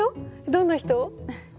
どんな人？